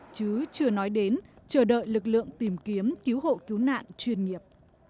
chứ chưa nói đến chờ đợi lực lượng tìm kiếm cứu hộ cứu nạn chuyên nghiệp